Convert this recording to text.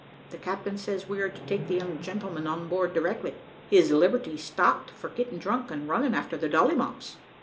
The captain says we are to take the young gentleman on board directly. His liberty's stopped for getting drunk and running after the Dolly Mops!"